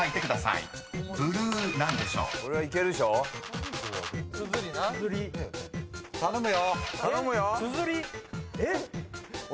いけるよ。